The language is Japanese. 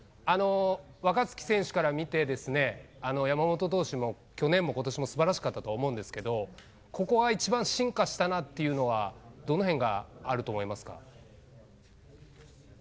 若月選手から見てですね、山本投手も去年もことしもすばらしかったと思うんですけど、ここが一番進化したなっていうのは、どのへんがあると思いますか？